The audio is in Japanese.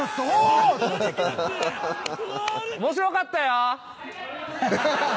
面白かったよ！